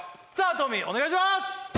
トミーお願いします